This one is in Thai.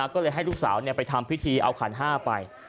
ก็เลยให้ลูกสาวไปทำพิธีเอาขันห้าไป